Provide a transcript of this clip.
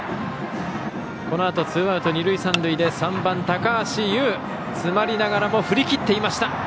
このあと、ツーアウト二塁三塁で３番、高橋友。詰まりながらも振り切っていました。